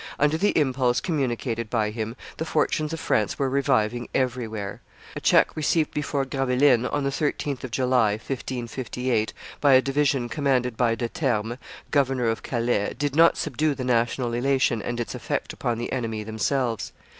Under the impulse communicated by him the fortunes of France were reviving everywhere. A check received before Gravelines, on the 13th of July, 1558, by a division commanded by De Termes, governor of Calais, did not subdue the national elation and its effect upon the enemy themselves.